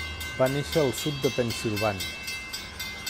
Va néixer al sud de Pennsilvània.